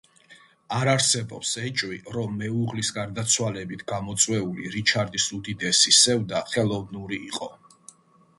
არ არსებობს ეჭვი, რომ მეუღლის გარდაცვალებით გამოწვეული რიჩარდის უდიდესი სევდა ხელოვნური იყო.